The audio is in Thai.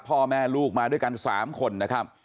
พ่อแม่ลูกมาด้วยกัน๓คนนะครับ